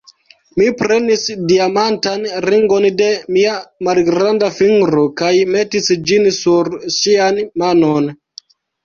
Mi prenis diamantan ringon de mia malgranda fingro kaj metis ĝin sur ŝian manon.